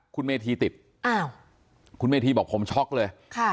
คุณเมธีติดอ้าวคุณเมธีบอกผมช็อกเลยค่ะ